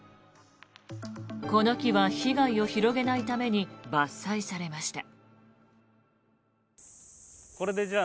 この木は被害を広げないために伐採されました。